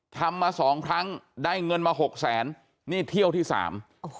ทำมาสองครั้งได้เงินมาหกแสนนี่เที่ยวที่สามโอ้โห